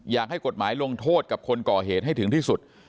อยากให้กฎหมายลงโทษกับคนก่อเหตุให้ถึงที่สุด